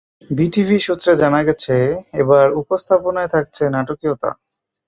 BTV সূত্রে জানা গেছে, এবার উপস্থাপনায় থাকছে নাটকীয়তা।